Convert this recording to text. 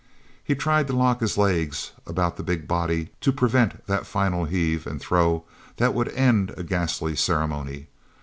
He tried to lock his legs about the big body to prevent that final heave and throw that would end a ghastly ceremony.